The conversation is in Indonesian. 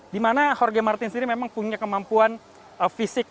dimana jorge martin sendiri memang punya kemampuan fisik